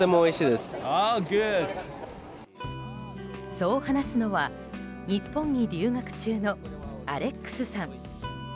そう話すのは日本に留学中のアレックスさん。